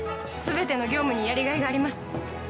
全ての業務にやりがいがあります。